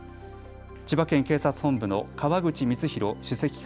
千葉県警察本部の川口光浩首席